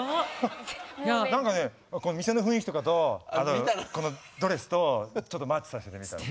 何かね店の雰囲気とかとあとこのドレスとちょっとマッチさせてみたの。